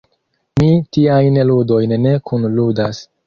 Mi tiajn ludojn ne kunludas.